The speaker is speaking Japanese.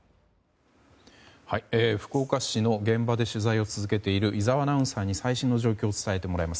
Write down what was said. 福岡市の現場で取材を続けている井澤アナウンサーに最新の状況を伝えてもらいます。